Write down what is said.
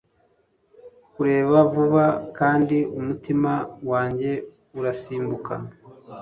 kureba vuba, kandi umutima wanjye urasimbuka